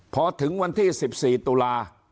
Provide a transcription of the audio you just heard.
พอถึงวันที่๑๔ตุลา